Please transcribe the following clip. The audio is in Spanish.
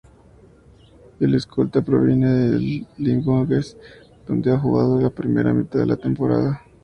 El escolta proviene del Limoges donde ha jugado la primera mitad de la temporada.